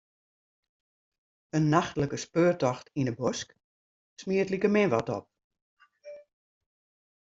In nachtlike speurtocht yn 'e bosk smiet likemin wat op.